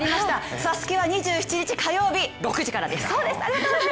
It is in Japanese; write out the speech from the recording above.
ＳＡＳＵＫＥは２７日火曜日、６時からです！